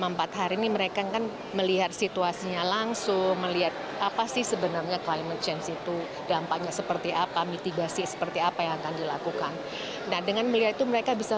untuk mencari solusi bersama guna mengatasi dampak negatif perubahan iklim